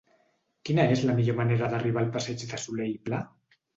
Quina és la millor manera d'arribar al passeig de Solé i Pla?